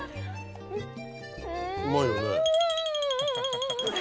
うまいよね。